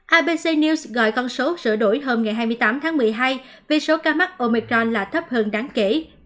abc news gọi con số sửa đổi hôm ngày hai mươi tám tháng một mươi hai vì số ca mắc omicron là thấp hơn đáng kể